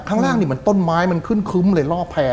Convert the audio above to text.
ข้างล่างนี่มันต้นไม้มันขึ้นคึ้มเลยรอบแผ่